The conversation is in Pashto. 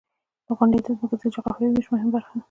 • غونډۍ د ځمکې د جغرافیوي ویش مهمه برخه ده.